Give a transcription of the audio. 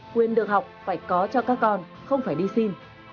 quyền được học phải có cho các con không phải đi xin